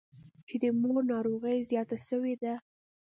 چې د مور ناروغي زياته سوې ده.